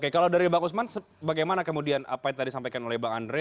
kalau dari pak usman bagaimana kemudian apa yang tadi sampaikan oleh pak andre